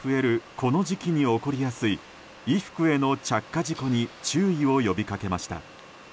この時期に起こりやすい衣服への着火事故に注意を呼びかけました。